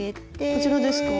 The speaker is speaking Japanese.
こちらですか？